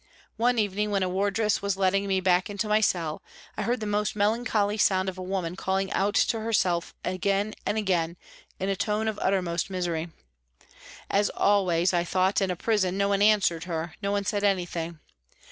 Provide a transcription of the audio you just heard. One evening, when a wardress was letting me back into my cell, I heard the most melancholy sound of a woman calling out to herself again and again, in a tone of uttermost misery. As always, I thought, in a prison, no one answered her, no one said anything.